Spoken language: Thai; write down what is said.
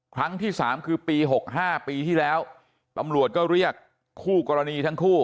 ครั้งที่สามคือปี๖๕ปีที่แล้วตำรวจก็เรียกคู่กรณีทั้งคู่